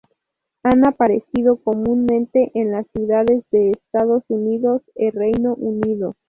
Han aparecido comúnmente en las ciudades de Estados Unidos e Reino Unido.